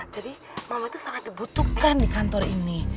jadi ma tuh sangat dibutuhkan di kantor ini